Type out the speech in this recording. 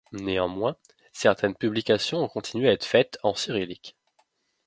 Néanmoins, certaines publications ont continué à être faites en cyrillique.